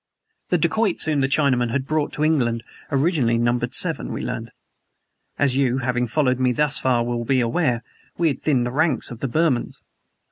The dacoits whom the Chinaman had brought to England originally numbered seven, we learned. As you, having followed me thus far, will be aware, we had thinned the ranks of the Burmans.